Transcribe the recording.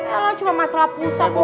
eh lo cuma masalah pusat kuota